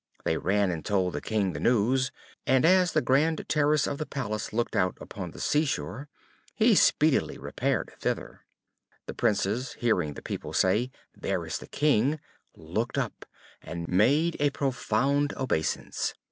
They ran and told the King the news, and as the grand terrace of the Palace looked out upon the sea shore, he speedily repaired thither. The Princes, hearing the people say, "There is the King," looked up, and made a profound obeisance.